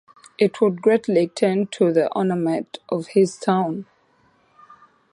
It would greatly tend to the ornament of this town.